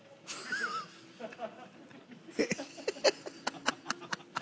ハハハハ！